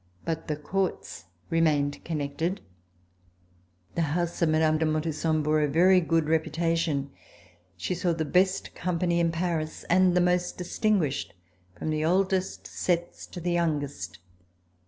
But the courts remained connected. C58] FIRST SEASON IN SOCIETY The house of Mme. de Montesson bore a very good reputation. She saw the best company in Paris and the most distinguished, from the oldest sets to the youngest.